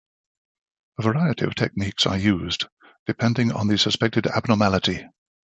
A variety of techniques are used, depending on the suspected abnormality.